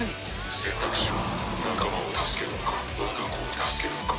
選択しろ仲間を助けるのかわが子を助けるのか。